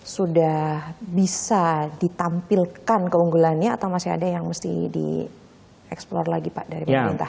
sudah bisa ditampilkan keunggulannya atau masih ada yang mesti dieksplor lagi pak dari pemerintah